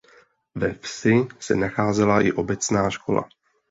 Ve vsi se nacházela i obecná škola.